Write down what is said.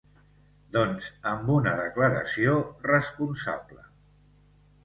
Doncs, amb una ‘declaració responsable’.